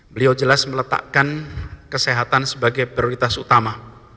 beliau jelas meletakkan kesehatan sebagai prioritas utama